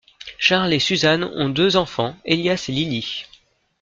Charles et Susan ont deux enfants, Elias et Lily.